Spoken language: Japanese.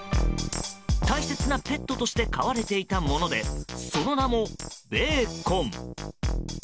大切なペットとして飼われていたものでその名もベーコン。